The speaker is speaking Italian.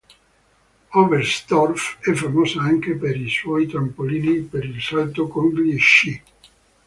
Oberstdorf è famosa anche per i suoi trampolini per il salto con gli sci.